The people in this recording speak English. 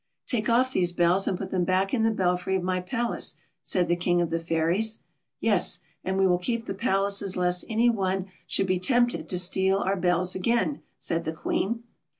" Take off these bells and put them back in the belfry of my palace," said the King of the Fairies. " Yes ; and we will keep the palaces lest any one should be tempted to steal our bells again," said the Queen.